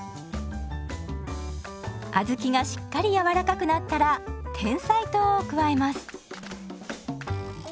小豆がしっかり柔らかくなったらてんさい糖を加えます。